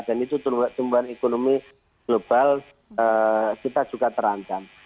dan itu pertumbuhan ekonomi global kita juga terancam